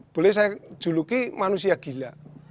boleh saya juluki manusia gila